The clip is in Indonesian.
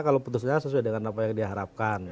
kalau putusnya sesuai dengan apa yang diharapkan